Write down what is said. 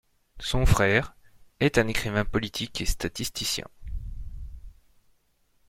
Son frère, est un écrivain politique et statisticien.